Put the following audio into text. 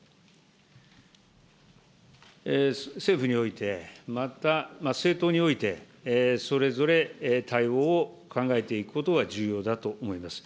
政府において、また政党において、それぞれ対応を考えていくことは重要だと思います。